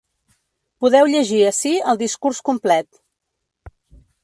Podeu llegir ací el discurs complet.